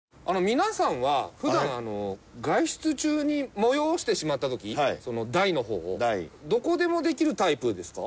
皆さんは普段外出中にもよおしてしまった時大の方をどこでもできるタイプですか？